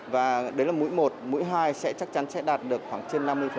và đấy là mũi một mũi hai sẽ chắc chắn sẽ đạt được khoảng trên năm mươi